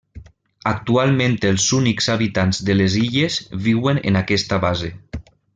Actualment els únics habitants de les illes viuen en aquesta base.